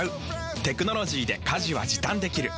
テクノロジーで家事は時短できる。